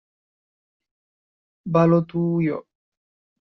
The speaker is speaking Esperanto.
Balotujo.